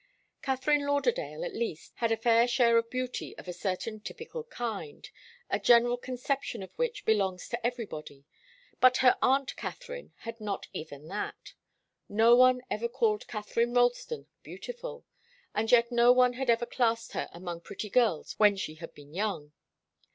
Katharine Lauderdale, at least, had a fair share of beauty of a certain typical kind, a general conception of which belongs to everybody, but her aunt Katharine had not even that. No one ever called Katharine Ralston beautiful, and yet no one had ever classed her among pretty girls when she had been young.